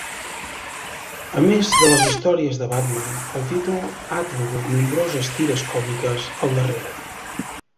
A més de les històries de Batman, el títol ha tingut nombroses tires còmiques al darrere.